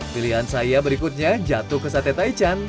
pilihan saya berikutnya jatuh ke sate taichan